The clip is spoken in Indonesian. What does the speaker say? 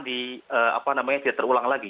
jadi apa namanya tidak terulang lagi